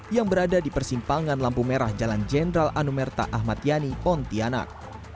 yang berada di persimpangan lampu merah jalan jenderal anumerta ahmad yani pontianak